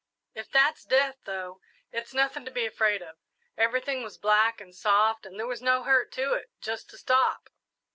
"If that's death, though, it's nothing to be afraid of. Everything was black and soft, and there was no hurt to it just a stop."